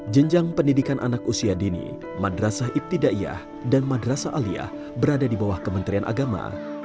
jenjang pendidikan anak usia dini madrasah ibtidaiyah dan madrasa alia berada di bawah kementerian agama